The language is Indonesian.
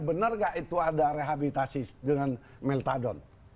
benar nggak itu ada rehabilitasi dengan meltadon